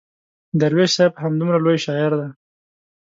درویش صاحب همدومره لوی شاعر دی.